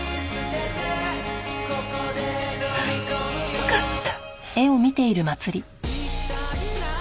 よかった。